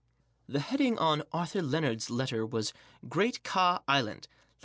157 The heading on " Arthur Lennard's " letter was " Great Ka Island : Lat.